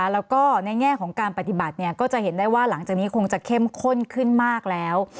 แล้วก็ในแง่ของการปฏิบัติก็จะเห็นได้ว่าหลังจากนี้คงจะเข้มข้นขึ้นมากแล้ว